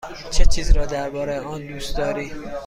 چه چیز را درباره آن دوست داری؟